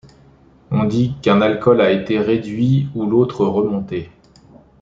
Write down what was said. On dit qu'un alcool a été réduit ou l'autre remonté.